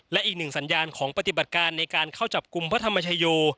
และอีกหนึ่งสัญญาณของปฏิบัติการในการเข้าจับกลุ่มพระธรรมชโย